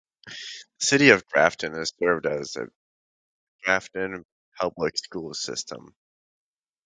The city of Grafton is served by the Grafton Public Schools system.